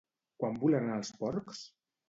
Quan volaran els porcs?